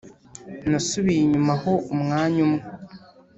Nasubiye inyuma ho umwanya umwe